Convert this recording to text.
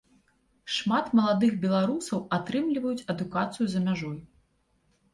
Шмат маладых беларусаў атрымліваюць адукацыю за мяжой.